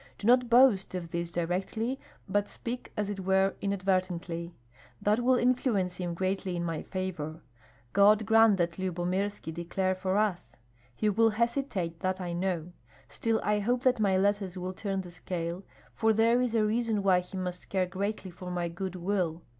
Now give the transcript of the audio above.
Do not boast of this directly, but speak as it were inadvertently. That will influence him greatly in my favor. God grant that Lyubomirski declare for us. He will hesitate, that I know; still I hope that my letters will turn the scale, for there is a reason why he must care greatly for my good will.